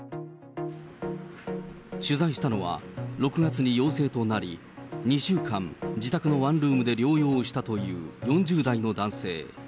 取材したのは、６月に陽性となり、２週間、自宅のワンルームで療養したという４０代の男性。